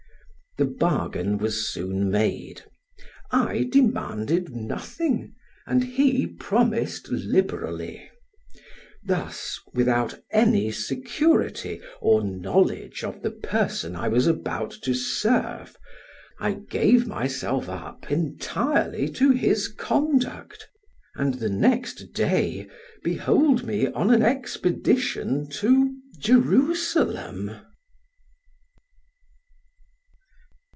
The bargain was soon made, I demanded nothing, and he promised liberally; thus, without any security or knowledge of the person I was about to serve, I gave myself up entirely to his conduct, and the next day behold me on an expedition to Jerusalem.